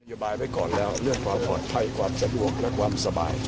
โยบายไว้ก่อนแล้วเรื่องความปลอดภัยความสะดวกและความสบาย